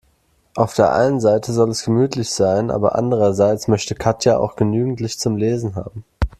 Auf der einen Seite soll es gemütlich sein, aber andererseits möchte Katja auch genügend Licht zum Lesen haben.